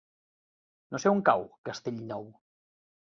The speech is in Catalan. No sé on cau Castellnou.